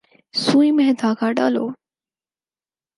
سوئی میں دھاگہ ڈالو۔